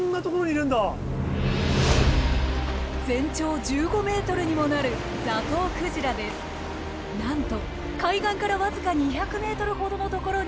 全長１５ｍにもなるなんと海岸から僅か２００ｍほどのところに現れました。